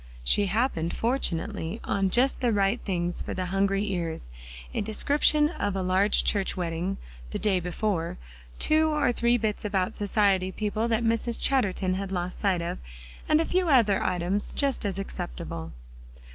She happened fortunately on just the right things for the hungry ears; a description of a large church wedding, the day before; two or three bits about society people that Mrs. Chatterton had lost sight of, and a few other items just as acceptable.